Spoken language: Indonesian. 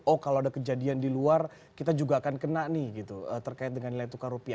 oh kalau ada kejadian di luar kita juga akan kena nih gitu terkait dengan nilai tukar rupiah